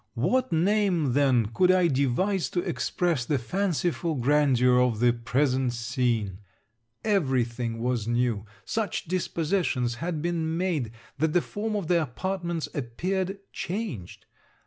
What name then could I devise to express the fanciful grandeur of the present scene? Every thing was new. Such dispositions had been made that the form of the apartments appeared changed.